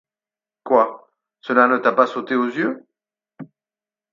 Quoi, cela ne t’a pas sauté aux yeux?